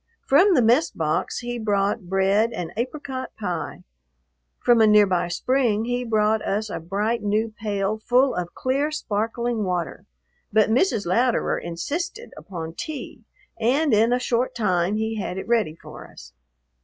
From the mess box he brought bread and apricot pie. From a near by spring he brought us a bright, new pail full of clear, sparkling water, but Mrs. Louderer insisted upon tea and in a short time he had it ready for us.